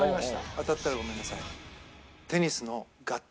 当たったらごめんなさい。